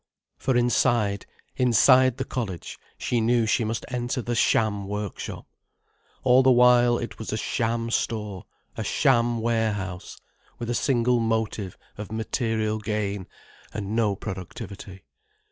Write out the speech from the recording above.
For inside, inside the college, she knew she must enter the sham workshop. All the while, it was a sham store, a sham warehouse, with a single motive of material gain, and no productivity.